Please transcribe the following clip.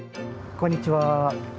こんにちは。